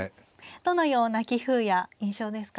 どのような棋風や印象ですか。